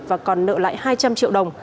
và còn nợ lại hai trăm linh triệu đồng